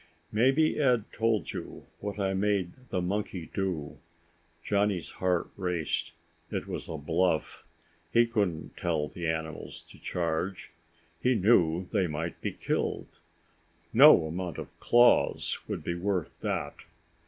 Maybe Ed told you what I made the monkey do?" Johnny's heart raced. It was a bluff. He couldn't tell the animals to charge. He knew they might be killed. No amount of claws would be worth that.